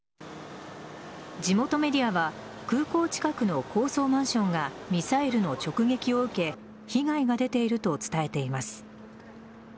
地元メディアは空港近くの高層マンションがミサイルの直撃を受け被害が出ていると伝えています。